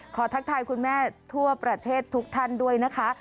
ทักทายคุณแม่ทั่วประเทศทุกท่านด้วยนะคะ